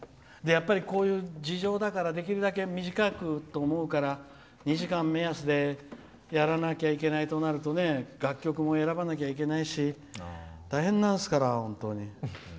こういう事情だから、できるだけ短くと思うから２時間を目安でやらなきゃいけないとなると楽曲も選ばなきゃいけなくもなるし大変なんですから、本当に。